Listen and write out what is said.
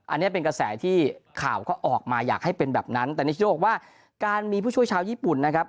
อันนี้เป็นกระแสที่ข่าวก็ออกมาอยากให้เป็นแบบนั้นแต่นิชโยบอกว่าการมีผู้ช่วยชาวญี่ปุ่นนะครับ